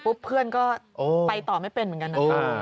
เพื่อนก็ไปต่อไม่เป็นเหมือนกันนะคะ